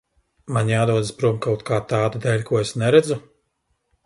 Man jādodas prom kaut kā tāda dēļ, ko es neredzu?